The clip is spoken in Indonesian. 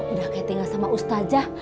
udah kaya tinggal sama ustazah